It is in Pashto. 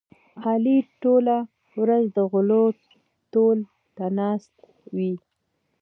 علي ټوله ورځ د غولو تول ته ناست وي.